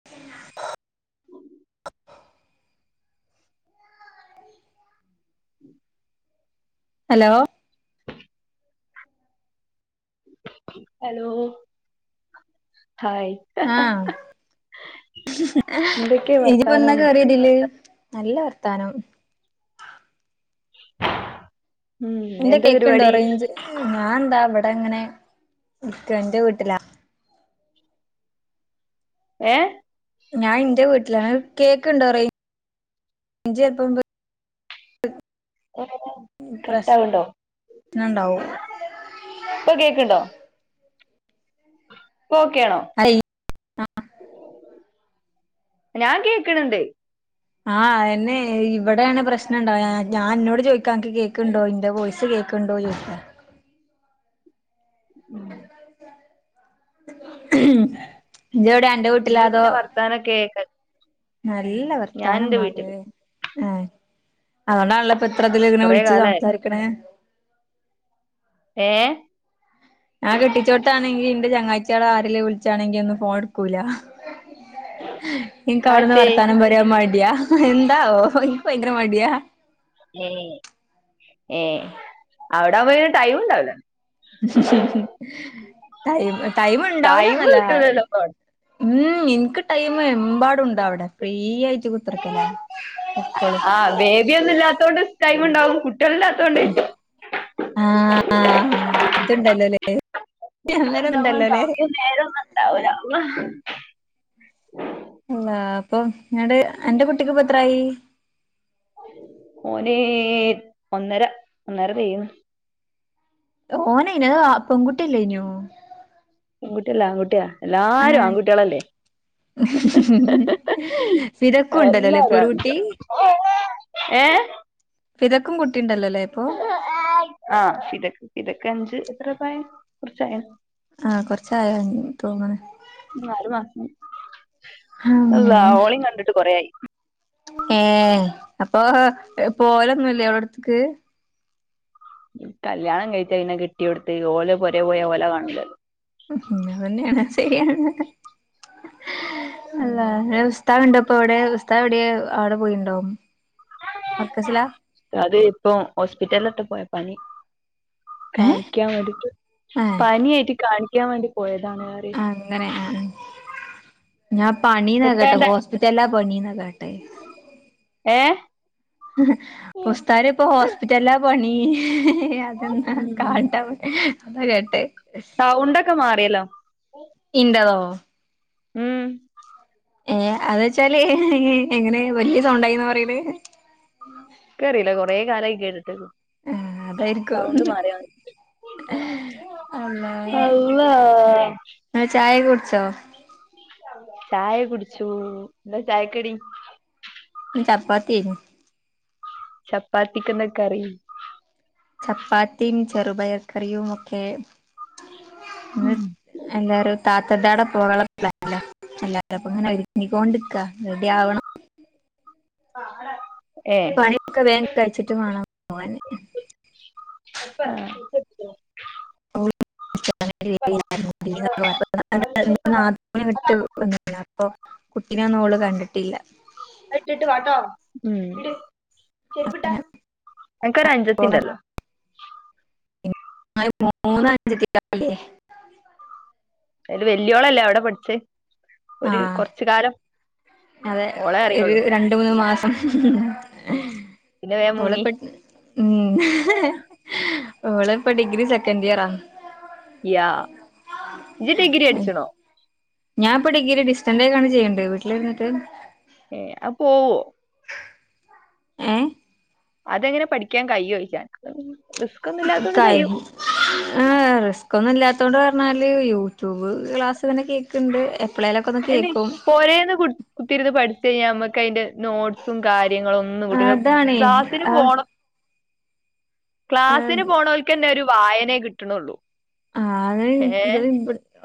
[unintelligible] [unintelligible] Hello? Hello hi ആഹ എന്തൊക്കെയ വർത്താനം ഇജിപ്പെന്ന കേറിയതില്! നല്ല വർത്താനം. ഉം ന്റെ എന്താ കേക്കുണ്ടോ? പരിപാടി റേഞ്ച് ഞാൻ ന്താ ഇവിടെ ഇങ്ങനെ ഇരിക്ക ന്റെവീട്ടിലാ ഏഹ ഞാൻ ഇന്റെ വീട്ടിലാണ് കേക്ക്ണ്ടോ റേഞ്ചൽപം പോയി പ്രശ്നം കട്ടാവണ്ടോ ഉണ്ടാവും ഇപ്പൊ കേക്കണ്ടോ? ഇപ്പോ ഓക്കെ ആണോ ഞാൻ കേക്ക്ണ് ണ്ട്. ആഹ അയ്ന്നെ ഇവിടെണ് പ്രശ്നണ്ടാവ ഞാൻ അന്നോട് ചോയിക്കാ അനക്ക് കേക്ക്- കേക്ക്ണ്ടോ ന്റവോയിസ് കേൾക്ക്ണ് ണ്ടോ? ഏ [unintelligible] ഹുഹും ജ്ജ് വ്ടെ അന്റെ വീട്ടിലാ അതോ? തനം കേക്ക നല്ല വർത്താനം മളെ വീട്ടില് ആ അതുണ്ടാണല്ലോ. ഇപ്പത്രതില് ഇങ്ങനെ കൊറെ വിളിച്ച് കാലായി സംസാരിക്കണ് ഏഹ് ഞകെട്ടിച്ചോട്ത്താണെങ്കി ഇന്റെ ചങ്ങായിച്ചിൾ ആരിലും വിളിച്ചാണെൽ ഒന്നും ഫോൺ എട്ക്കൂല ഇന്ക്ക് അവ്ടുന്ന് ആത്തെ വർത്താനം പറ്റ്- കെമടിയാ എന്താവോ എനിക്ക് ഭയങ്കര മടിയാ ഏഹ് ഏഹ് അവിടെ ആകുമ്പോ പിന്നെ ടൈം ഉണ്ടാവ് ല്ല ടൈമ് ടൈമ് ടൈം ഉണ്ടാവൂല്ലന്നല്ല കിട്ടൂലല്ലോ ഇപ്പൊ ഉും എനിക്ക് ടൈമ് എമ്പാടുണ്ടവിടെ ഫ്രീ ആയിട്ട് കുത്തർക്കല ആ ബേബിയൊന്നും ഇല്ലാത്തോണ്ട് ടൈമ് ഉണ്ടാവും. കുട്ടികളില്ലാത്തോണ്ട് ആഹ് ആഹ് അതുണ്ടലല്ലേ? ആഹ സമയം നേരം ഒന്നും ഉണ്ടാവുല്ല അള്ളാ. അള്ളാ അപ്പൊ ങ്ങട് അന്റെ കുട്ടിക്ക് പ്പ എത്രായി? ഓന് ഒന്നര ഒന്നര തെയിണു. ഓന് യിന് പെൺകുട്ടിയല്ലേ ഇനോ? പെൺകുട്ടിയല്ല. ആൺകുട്ടിയ എല്ലാരും ആൺകുട്ടികളല്ലേ? ഹും ഹും ഹു ഫിദക്കും ണ്ടല്ലോല്ലേ ഒര് കുട്ടി [unintelligible] ഏഹ് ഫിദക്കും കുട്ടിണ്ടല്ലോല്ലേ ഇപ്പൊ ആഹ് ഇത്ക്ക് ഇതക്കെ എഞ്ച് [unintelligible] കുറചായോ ആഹ കൊറച്ചായന്ന്തോന്നണ് നാലു മാസം അള്ളാ ഉം ഓളിം കണ്ടിട്ട് കൊറെയി. ഏഹ് അപ്പൊ പോകലൊന്നുല്ലേ ഓളോടക്ക് കല്യാണം കഴിച്ചാ പിന്നെ കെട്ടിയോട്ത് ഓല പോരെ പോയ ഓലെ കാണില്ലാലോ അത് തന്നെയാണ് ശരിയാണ് അല്ലാഹ് ഉസ്താ ഇപ്പ എവിടെ ഉസ്താദ് എവിടെ അവിടെ പോയിണ്ടാവും മർക്കസിലാ- അത് ഇപ്പൊ ഹോസ്പിറ്റലിലൊട്ട് പോയ പനി- ഏഹ് കാണിക്കാൻ വേണ്ടിട്ട് ഏഹ് പനി ആയിട്ട് കാണിക്കാൻ വേണ്ടി പോയതാണ് റയാ അങ്ങനെ ഞാൻ പണീന്ന കേട്ടെ എത്താണ്ട ഹോസ്പിറ്റലില പണി ന്നാ കേട്ടെ ഏഹ് ഉസ്താദ് ന് ഇപ്പ ഹോസ്പിറ്റലാ പണി [unintelligible] സൗണ്ടൊക്കെ മാറിയല്ലോ ഇന്റതോ ഉം ഏഹ് അത് വെച്ചാല് എങ്ങനെ വലിയ സൗണ്ട് ണ്ടായിന്ന് പറയൽ ഇൻക് അറിയില്ല കൊറെേ കാലമായി കേട്ടിട്ട്. ആഹ അതായിരിക്കും. അല്ലാഹാ ങ്ങൾ ചായ കുടിച്ചോ. ചായ കുടിച്ചു എന്താ ചായക്കടി. ഇന്ന് ചപ്പാത്തിയെനി ചപ്പാത്തിക്ക് എന്താ കറി ചപ്പാത്തിയും ചെറുപയർക്കറിയും ഒക്കെ. ഇ എല്ലാരും താത്തടെ അടെ പോകള. എല്ലുംപ്പ ഇങ്ങനെ ഒരുങ്ങിക്കൊണ്ടിരിക്ക റെഡി ആവണം. ഏ പണിയൊക്കെ വേഗം കഴിച്ചിട്ട് വേണം [unintelligible] [unintelligible] വിട്ട് വന്ന അപ്പൊ കുട്ടിനെ ഒന്നും ഓള് കണ്ടിട്ടില്ല. ഇട്ടിട്ട്ട്ടോെ അങ്ങനെ അനക്കൊരു അന്ജതി പോകാൻ ണ്ടല്ലോ [unintelligible] അതിൽ വലിയോളല്ലേ അവിടെ പഠിച്ചേ ഒരു ആഹ് കൊറച്ച് കാലം. അതെ ഓളെ ഒരു അറിയുള്ളൂ രണ്ട് മൂന്ന് മാസം. പിന്നെ വേം മുങ്ങി ഒളിപ്പോ ഉ ഒളിപ്പോ ഡിഗ്രി സെക്കൻഡ് ഇയറാ. യാ ഇയ്യ് ഡിഗ്രി പഠിച്ചിനോ ഞാൻപ്പൊ ഡിഗി ഡിസ്റ്റൻറക്കാണ് ചെയ്യേണ്ട വീട്ടിലിരുന്നിട്ട്. ഏ പോവോ ഏഹ. അതെങ്ങനെ പഠിക്കാൻ കഴിയോച്ച കായ. [unintelligible] റിസ്ക് ഒന്നും ഇല്ലാത്തോണ്ട് പറഞ്ഞാല് യൂട്യൂബ് ക്ലാസ്സ്ങ്ങന്നെ കേൾക്ക്ണ്ട്. പോരേന്ന് കുത്തിരുന്ന് പഠിച്ചു കഴിഞ്ഞാൽ നമ്മുക്ക് അതിന്റെ നോട്ടിസും കാര്യങ്ങളും. ന്ന് കിട്ടൂല അതാണേ ക്ലാസ്സിന് ആഹ് പോണം. ആഹ് ക്ലാസിന് പോണവൽക്ക്ന്നെ ഒരു വായനേെ കിട്ടണള്ളൂ. ആ അത ഇ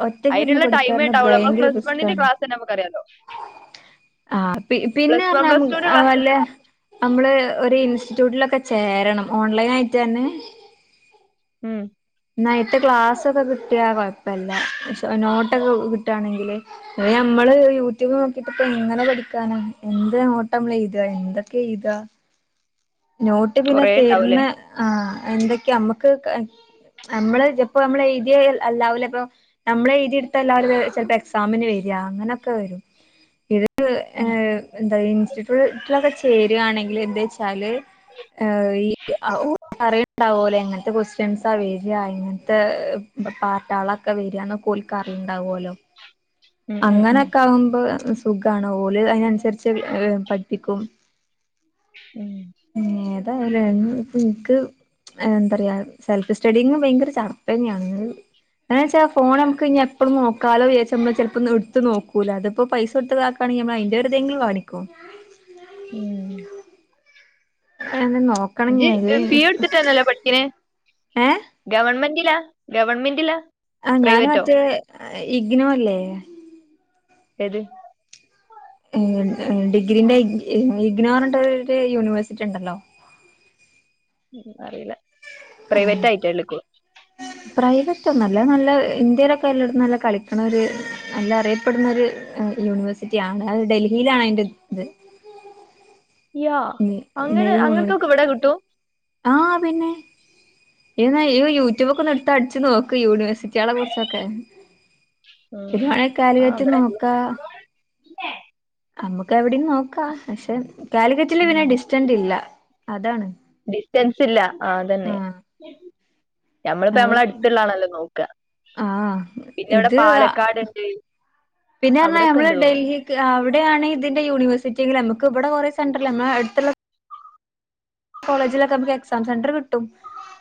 ഒറ്റക്ക ഇരുന്ന് അയിനുള്ള ടൈമേ പഠിക്കാറ ഉണ്ടാവുള്ളൂ നമ്മള് ഭയങ്കര പ്ലസ് വണ്ണിന്റെ റിസ്ക്കാണ്. ക്ലാസ്സന്നെ നമുക്കറിയാലോ. ആ് പി പിന്നെ പ്ലസ് വൺ പ്ലസ് ടുന്റെ പറഞ്ഞാ ക്ലാസ് വല്ല. നമ്മള് ഒരു ഇൻസ്റ്റിറ്റ്യൂട്ടിലൊക്കെ ചേരണം ഓൺലൈൻ ആയിട്ട് തന്നെ. ഉം. എന്ന ആയതേ ക്ലാസ്സൊക്കെ കിട്ടിയാ കൊഴപ്പല്ല നോട്ടൊക്കെ കിട്ടുകയാണെങ്കില്. അ നമ്മള് യൂട്യൂബ് നോക്കിട്ട്പ്പ എങ്ങനെ പഠിക്കാന എന്ത് ങ്ങോട്ട നമ്മള് എഴുത എന്തൊക്കെ എഴുതാ നോട്ട് പിന്നെ കൊറേ തര്ണ ഉണ്ടാവൂലേ ആ എന്തൊക്കെയ നമ്മക്ക്. നമ്മള് ഇപ്പ നമ്മള് എഴുയ അല്ലാവുല ഇപ്പം. നമ്മളെ എഴുതിയിടുത്ത എല്ലാവരും ചെലപ്പോ എക്സാമിന് വരാ അങ്ങനൊക്കെ വരും എന്താ ഇൻസ്റ്റിറ്റ്യൂട്ടിലൊക്കെ ചേരായാണെങ്കിൽ എന്താ വെച്ചാല്. ഈ പറയണ്ടാവലെ എങ്ങന് ത്തെ ക്വസ്റ്റ്യൻസാ വെര ഇങ്ങന് ത്തെ. ഇ പാട്ടാളൊക്കെ വരാന്ന് ഓല്ക്കറിണ്ടാവുല്ലോ. ഉം ഉം അങ്ങനൊക്കെ ആകുമ്പോ സുഖണോ ഓല അതിനനുസരിച്ച് പഠിപ്പിക്കും. ഉം. ഏതായാലും [unintelligible] ഇന്ക്ക്. എന്ത പറയാ സെൽഫ് സ്റ്റഡിങ് ഭയങ്കര ചടപ്പ് തന്നെയാണ്. എന്നാ വെച്ചാ ഫോൺ നമക്ക് ഇഞ്ഞ് എപ്പം നോക്കാലോ വിചാരിച്ചാ നമ്മ ചിലപ്പോ എടുത്ത് നോക്കൂല അതിപ്പോ പൈസടുത്ത് വാങ്ങ [unintelligible] അയിന്റെരുതെങ്കിലും കാണിക്കും ഉം. [unintelligible] നോക്ക ഇജ്ജ് ഫീ എടുത്തിട്ടന്നല്ലോ പഠിക്ക്ണ ഏഹ് ഗവൺമെന്റിലാ ഗവൺമെന്റിലാ? ആ ഞാൻ പ്രൈവറ്റോ മറ്റേ ഇഗ്‌നോ അല്ലേ ഏത് ഏ ഡിഗ്രീന്റെ ഇക്നോ പറഞ്ഞിട്ടുള്ള ഒരു യൂണിവേഴ്സിറ്റി ഉണ്ടല്ലോ ഉം അറീല്ല പ്രൈവറ്റ് ആയിട്ട എള്ക്കു പ്രൈവറ്റ് ഒന്നല്ല അത് നല്ല ഇന്ത്യയിലൊക്കെ എല്ലായിടത്തും നല്ല കളിക്ണ ഒരു നല്ല അറിയപ്പെടുന്ന ഒരു യൂണിവേഴ്സിറ്റി ആണ് അത് ഡൽഹിയിലാണ് അതിന്റെ ഇത് യോ അങ്ങനെ അങ്ങന് ത്തൊക്കെ ഇവിടെ കിട്ടൂ ആഹ പിന്നെ ഇയന്ന യൂ യൂട്യൂബൊക്കെ എടുത്ത് അടിച്ചു നോക്ക് യൂണിവ ക്കളെ കുറിച്ചൊക്കെ ഉം [unintelligible] കാലുകറ്റ് നോക്ക പിന്നെ നമക്ക് എവിടം നോക്കാ പക്ഷെ കാലിക്കറ്റില് പിന്നെ ഡിസ്റ്റന്റ് ഇല്ല അതാണ് ഡിസ്റ്റൻസ് ഇല്ല ആ അതന്നെ ആഹ [unintelligible] ഞമ്മളിപ്പോ നമ്മള അടുത്തള്ളാണല്ലോ നോക്ക ആഹ് പിന്നെ ഇവടെ ഇത് പാലക്കാട്ണ്ട് പിന്നെ പറഞ്ഞാ നമ്മള് ഡൽഹി ആ അവിടെയാണ് ഇതിന്റെ യൂണിവേഴ്സിറ്റിെങ്കിൽ നമുക്ക് ഇവിടെ കുറെ സെന്ററൽ നമ്മ അടുത്ത കോളേജിലൊക്കെ നമുക്ക് എക്സാം സെന്റർ കിട്ടും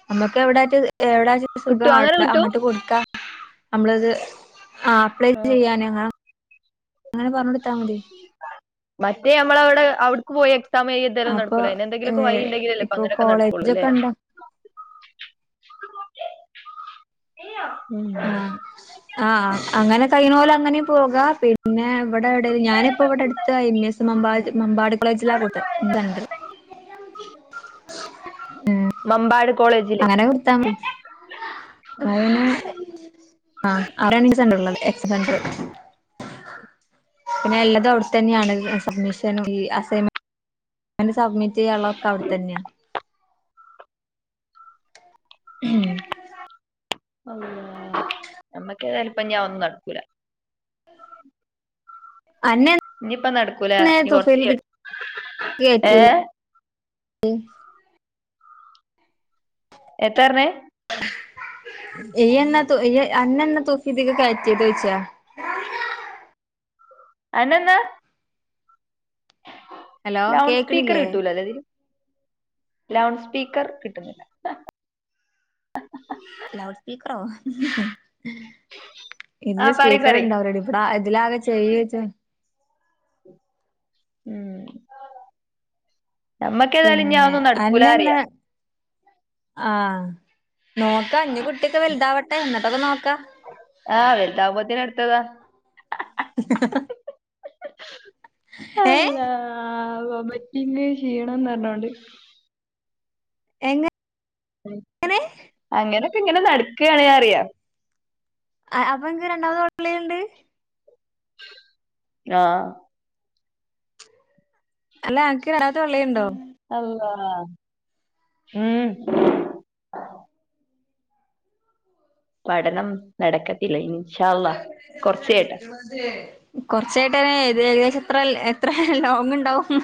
നമ്മുക്ക് എവിട എവ്ടെ സുഖാ കിട്ടും അങ്ങനെ കിട്ടും അങ്ങോട്ട് കൊടുക്കാ നമ്മളത് ആ അപ്ലൈ ആ ചെയ്യാനങ്ങ അങ്ങനെ പറഞ്ഞ് കൊടുത്താ മതി മറ്റേ നമ്മള അവിടെ അവിട്ക്ക് പോയ സമയ ഇതരം അപ്പൊ നടക്കൂലെ അയിന് ഏ എന്തെങ്കിലൊക്കെ വൈ ഇപ്പൊ ഉണ്ടങ്കിലല്ലോപ്പഅങ്ങനൊക്കെ നടക്കുള്ളൂല്ലേ കോളേജൊക്കെ ഉണ്ട് ഉം ആ ആഹ അങ്ങനെ കൈണോൽ അങ്ങനെും പോക പിന്നെ ഇവിടെ ഇവടെലും ഞാനിപ്പോ ഇവിടെ അടുത്ത് ഐ മി എസ് മമ്പാട് മമ്പാട് കോളേജിലാ പേ ാ [unintelligible] ഉം മമ്പാട് കോളേജ് അങ്ങനെ കെടുത്താ മതി ന്നാ പിന്നെ ആ [unintelligible] എക്സ് സണ്ടർ പിന്നെ എല്ലത് അവിടുത്ത തന്നെയാണ് സബ്മിഷൻ ഈ അസയി അൻ്റെ സബ്മിറ്റ് ചെയ്യാനുള്ളതൊക്കെ അവിടെത്തന്നെയാ ഉം അള്ളാ നമ്മക്ക് ഏതാലും ഇപഞ്ഞി അത് ഒന്നും നടക്കൂല അന്നെ ഇഞ്ഞിപ്പ നടക്കൂല അന്നെ ഇനി കുറച്ച് തുഫയില് കയ്യും കയറ്റി ഏഹ എത്തറ്ഞ്ഞേ ഇനി എന്നാ തു അന്ന എന്ന [unintelligible] അനന്നാ ഹലോ ലൗഡ് സ്പീക്കർ കേക്കണില്ലേ കിട്ടൂല ലെ ഇതില് ലൗഡ് സ്പീക്കർ കിട്ടുന്നില്ല ലൗഡ് സ്പീക്കറോ ആ ഇതിൽ പറി സ്പീക്കർ പറി ഉണ്ടാവൂല ടി അ ഇതിലാകെ [unintelligible] ഉമ് നമ്മക്കേ ഏതായാലും ഇഞ്ജി അത് പിന്നെ ഒന്നും നടക്കൂല അന്നെന്ന് അറിയാം ആഹ് നോക്ക ഇഞ്ഞി കുട്ടിയക്കെ വലുതാവട്ടെ എന്നിട്ടൊക്കെ നോക്കാ ആഹ് വലുതാവുമ്പോതിന് അടുത്തതാ ഏഹ് അള്ളാ അമ്മച്ചിക്ക് ക്ഷീണം പറഞ്ഞോണ്ട് എങ്ങനെ അങ്ങനൊക്കെ ഇങ്ങനെ നട്ക്കാണെ അറിയാം ആഹ് അപ്പൊ അനക്ക് രണ്ടാമത് പള്ളയിൽ ഉണ്ട് ആഹ് അല്ല അനക്ക് [unintelligible] പള്ളേണ്ടോ അല്ലാഹ് ഉമ് പഠനം നടക്കത്തില്ല ഇൻഷാ അള്ളാഹ് കൊർച്ചയ്യട്ടെ കൊറച്ചയ്യട്ടെ ഏകദേശം എത്ര എത്ര ലോങ്ണ്ടാവും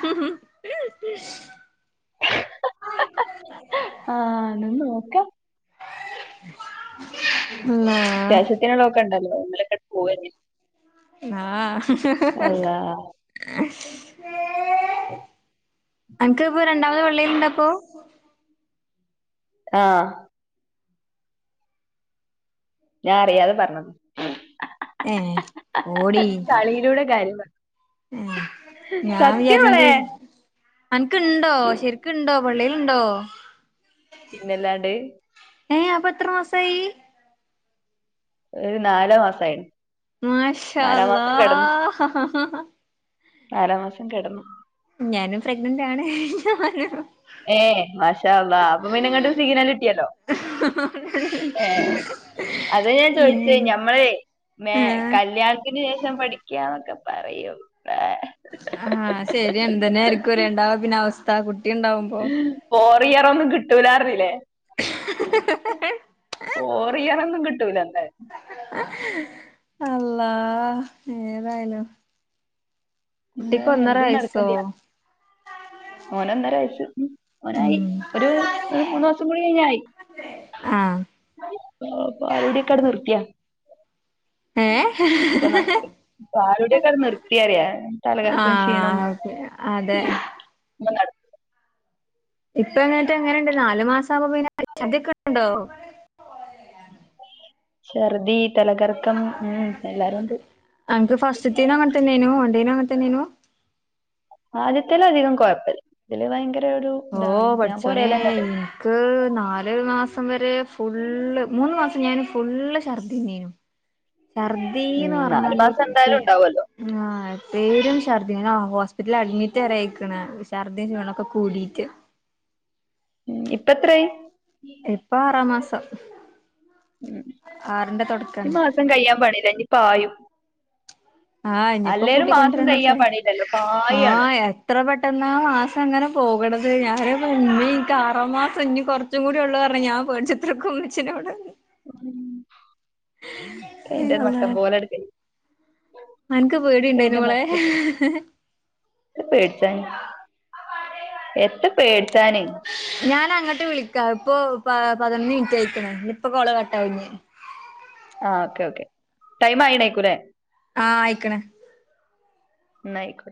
ആഹ് ന്നാ നോക്ക അല്ലാഹ് [unintelligible] പോവന്നെ ആഹ് അള്ളാ അൻക്ക് പ്പൊ രണ്ടാമത് പള്ളേല്ണ്ട പ്പൊ ആഹ് ഞാൻ അറിയാതെ പറഞ്ഞ ഏഹ് പോടി കാര്യം പറ ഞാണ് വിചാരിച്ച അൻക് സത്യമോളെ അൻക്ക് ണ്ടോ ശരിക്ക് ണ്ടോ പള്ളേല് ണ്ടോ പിന്നെല്ലാണ്ട് ഏയ് അപ്പൊ എത്ര മാസമായി ഒരു നാല് മാസായി മാഷാ അല്ലാഹ് നാലാമാസം കെടന്നു ഞാനും പ്രഗ്നന്റാണ് ഞാനും ഏഹ് മാഷാ അല്ലാഹ് അപ്പൊ പിന്നെങ്ങട്ടും സിഗിനല് കിട്ടിയാല്ലോ ഏഹ് അത് ഞാൻ ഞാനും ചോദിച്ചേ ഏഹ് ഞമ്മളമെ ആഹ് കല്യാ തിന് ശേഷം പഠിക്കാന്നൊക്കെ പറയും ഏഹ് ആഹ് ശരി എന്തന്നായിരിക്കും ലെ ഇണ്ടവാ പിന്നെ അവസ്ഥ കുട്ടിണ്ടാവുമ്പോ ഫോർ ഇയറൊന്നും കിട്ടൂലാർഞ്ഞിലെ ഫോർ ഇയറൊന്നും കിട്ടൂലന്തായാലും അല്ലാഹ് ഏതായാലും കുട്ടിക്ക് എന്തായാലും ഒന്നര വയസ്സോ ഓനൊന്നര വയസ്സ് ഉമ് ഓനായി ഉം ഒരു മൂന്ന് മാസം കൂടി കഴിഞ്ഞാ യി ആഹ് ആഹ് പാലുടിയൊക്കെ അടെ നിർത്തിയ ഏഹ് ഇപ്പൊ [unintelligible] പാലുടിയൊക്കെ നിർത്തിയറിയാ തലകറക്കും ക്ഷീണും ആഹ് ഓക്കെ അതെ [unintelligible] ഇപ്പ ങ്ങട്ട് എങ്ങനെണ്ട് നാല് മാസം ആമ്പോ പിന്നെ ഛർദിക്കെണ്ടോ ഛർദി, തലകറക്കം ഉം എല്ലാരുംണ്ട്. അൻക് ഫസ്റ്റ്ത്തേനു അങ്ങനതന്നേനു. ഓന്റെനു അങ്ങനതന്നെനു ആദ്യത്തേല് അധികം കുഴപ്പല്ല. ഇതില് ഭയങ്കര ഒരു ഓ! ഇതാണ് ഞാൻ പടച്ചോനെ പോരേലെന്നെ ഉള്ളെ ഇ ക്ക് നാല് മാസം വരെ ഫുള്ള്, മൂന്ന് മാസം ഞാന് ഫുള്ള് ഛർദ്ദിന്നീനു ഛർദീന്ന് ഉം നാല് പറഞ്ഞാല് മാസം പ്പി എന്തായാലും ഉണ്ടാവുമല്ലോ ആഹ്, എ പേരും ഛർദ്ദി, ഞാനാ ഓ ഹോസ്പിറ്റലിൽ അഡ്മിറ്റരെ ആയിക്ക്ണ്. ഛർദ്ദിം ക്ഷീണോക്കെ കൂടി [unintelligible] ഉം, ഇപ്പത്രായി? ഇപ്പ ആറാമാസം ആറിന്റെ തൊടക്കാണ്. പ്പം കയ്യാൻ പണില്ല. ഞ് പായും ആഹ് ഇഞ്ഞ്പ്പോ അല്ലേലും മാസം കൂട്ടിക്കൊണ്ടരാനൊക്കെ കഴിയാൻ ആയി. പണിയില്ലല്ലോ പായാണ് ആഹ് എ എത്ര പെട്ടെന്നാ മാസംങ്ങനെ പോവ്ണത്. ഞാനയ്പറഞ്ഞ്, ഇൻകാറാമ്മാസം ഇഞ്ഞി കൊർ ച്ചും കൂടി ഒള്ളൂർഞ്ഞ ഞാൻ പേട്ച്ചിത്രക്കുംമ്മച്ചിനോട് [inaudible] അയ് ക്കയ്ന്റൊരു മട്ടം അള്ളാഹ് പോലട് കയ്യും അൻക്ക് പേടിണ്ടായിനൊവളേ [unintelligible] ത്ത പേടിച്ചാന്, എത്ത പേടിച്ചാന് ഞാനങ്ങട്ട് വിളിക്കാ, ഇപ്പൊ പതിനൊന്ന് മിനിറ്റ്യയ്ക്ക്‌ണ്. നിപ്പൊ കോള് കട്ടാകും ഞ് ആഹ്, ഓക്കെ ഓക്കെ ടൈമ് ആയിണേക്കൂലേ ആഹ് അയ്ക്ക്‌ണ് ന്നായിക്കോ